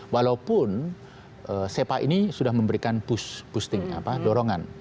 walaupun sepa ini sudah memberikan boosting dorongan